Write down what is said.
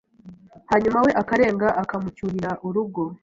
hanyuma we akarenga akamucyurira urugo.